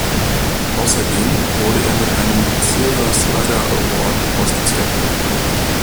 Außerdem wurde er mit einem "Silver Slugger Award" ausgezeichnet.